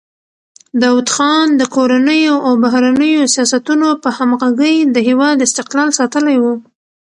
داوود خان د کورنیو او بهرنیو سیاستونو په همغږۍ د هېواد استقلال ساتلی و.